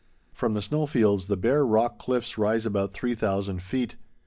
From the snow fields the bare rock cliffs rise about 3,000 feet.